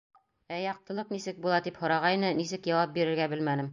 Ә яҡтылыҡ нисек була, тип һорағайны, нисек яуап бирергә белмәнем.